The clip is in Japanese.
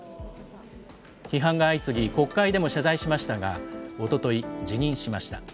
批判が相次ぎ、国会でも謝罪しましたが、おととい、辞任しました。